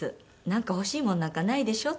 「なんか欲しいものなんかないでしょ？」